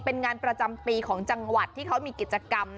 เป็นงานประจำปีของจังหวัดที่เขามีกิจกรรม